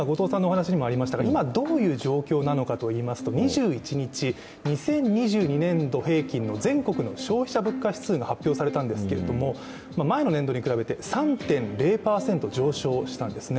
今どういう状況なのかといいますと２１日、２０２２年度平均の全国の消費者物価指数が発表されたんですが前の年度に比べて３．０％上昇したんですね。